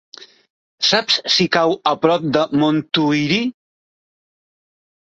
Saps si cau a prop de Montuïri?